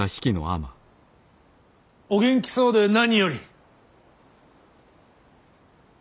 お元気そうで何より。